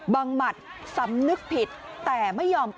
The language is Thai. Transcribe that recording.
บังหมัดสำนึกผิดแต่ไม่ยอมขอโทษ